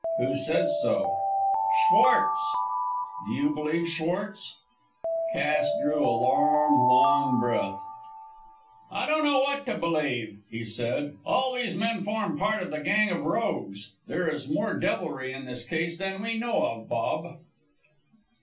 "Who says so?" "Schwartz." "Do you believe Schwartz?" Cass drew a long, long breath. "I don't know what to believe," he said. "All these men form part of the gang of rogues. There is more devilry in this case than we know of, Bob."